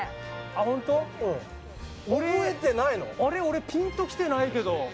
俺ピンと来てないけど。